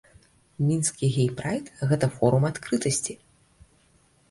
Мінскі гей-прайд гэта форум адкрытасці.